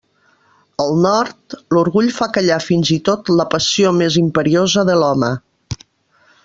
Al Nord, l'orgull fa callar fins i tot la passió més imperiosa de l'home.